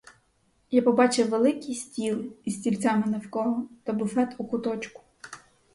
Я побачив великий стіл із стільцями навколо та буфет у куточку.